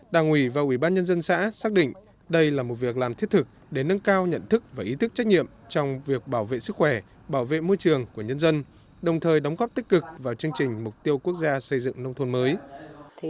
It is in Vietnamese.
đảng ủy và ủy ban nhân dân xã xác định đây là một việc làm thiết thực để nâng cao nhận thức và ý thức trách nhiệm trong việc bảo vệ sức khỏe bảo vệ môi trường của nhân dân đồng thời đóng góp tích cực vào chương trình mục tiêu quốc gia xây dựng nông thôn mới